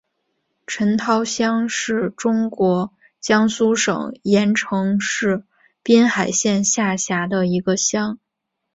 陈涛乡是中国江苏省盐城市滨海县下辖的一个乡。